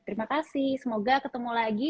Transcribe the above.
terima kasih semoga ketemu lagi